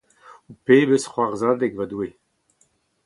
Pebezh c’hoarzhadeg, va Doue !…